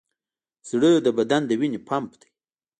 زړه د بدن د وینې پمپ دی.